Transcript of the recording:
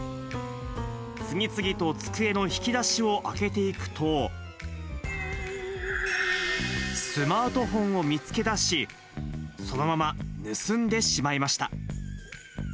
次々と机の引き出しを開けていくと、スマートフォンを見つけ出し、そのまま盗んでしまいました。